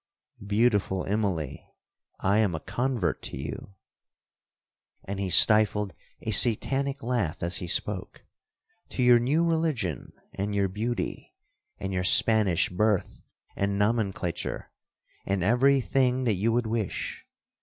Beautiful Immalee! I am a convert to you;' and he stifled a Satanic laugh as he spoke; 'to your new religion, and your beauty, and your Spanish birth and nomenclature, and every thing that you would wish.